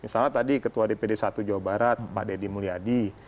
misalnya tadi ketua dpd satu jawa barat pak deddy mulyadi